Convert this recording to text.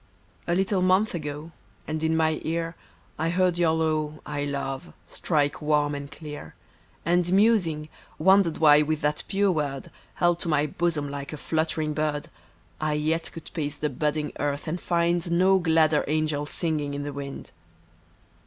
LITTLE month ago, and in my ear I heard your low " I love " strike warm and clear. And musing, wondered why with that pure word Held to my bosom like a fluttering bird, I yet could pace the budding earth and find No gladder angel singing in the wind.